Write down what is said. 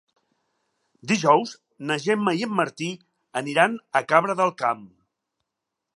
Dijous na Gemma i en Martí aniran a Cabra del Camp.